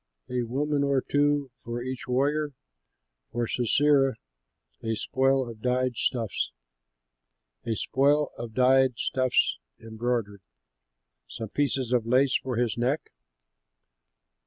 A woman or two for each warrior, For Sisera a spoil of dyed stuffs, A spoil of dyed stuffs embroidered, Some pieces of lace for his neck?'